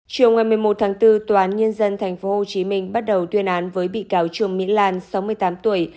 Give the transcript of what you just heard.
chiều ngày một mươi một tháng bốn tòa án nhân dân tp hcm bắt đầu tuyên án với bị cáo trương mỹ lan sáu mươi tám tuổi